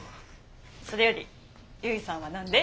それより結さんは何で？